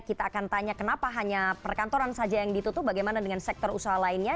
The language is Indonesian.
kita akan tanya kenapa hanya perkantoran saja yang ditutup bagaimana dengan sektor usaha lainnya